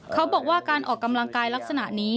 เขาบอกว่าการออกกำลังกายลักษณะนี้